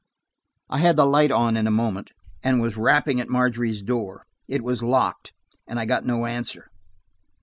I had the light on in a moment, and was rapping at Margery's door. It was locked, and I got no answer.